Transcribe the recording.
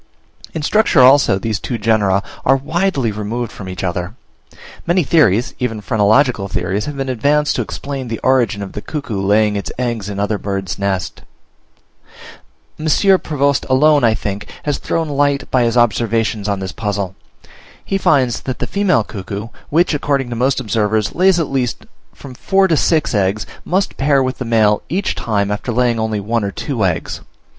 In structure also these two genera are widely removed from each other. Many theories, even phrenological theories, have been advanced to explain the origin of the cuckoo laying its eggs in other birds' nests. M. Prevost alone, I think, has thrown light by his observations on this puzzle: he finds that the female cuckoo, which, according to most observers, lays at least from four to six eggs, must pair with the male each time after laying only one or two eggs.